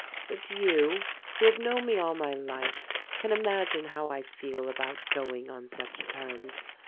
But you, who have known me all my life, can imagine how I feel about going on such terms.